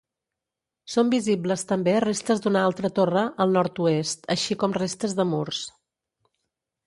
Són visibles també restes d'una altra torre al nord-oest, així com restes de murs.